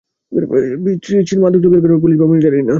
ত্রিচির মাদক জব্দের কারণ পুলিশ বা মিলিটারি না।